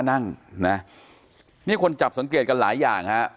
นั่งนะนี่คนจับสังเกตกันหลายอย่างฮะ